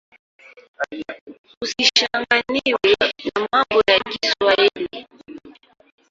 Isichanganywe na mambo ya Kiswahili.